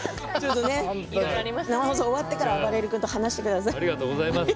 生放送終わってからあばれる君と話してください。